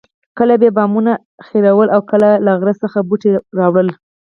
کله به یې بامونه اخیړول او کله له غره څخه بوټي راوړل.